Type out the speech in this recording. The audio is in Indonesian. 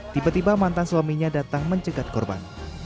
tiba tiba mantan suaminya datang mencegat korban